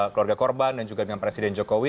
keluarga korban dan juga dengan presiden jokowi